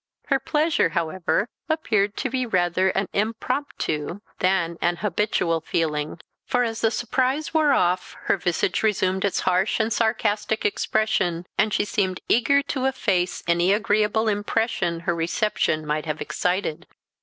Her pleasure, however, appeared to be rather an impromptu than an habitual feeling; for as the surprise wore off her visage resumed its harsh and sarcastic expression, and she seemed eager to efface any agreeable impression her reception might have excited.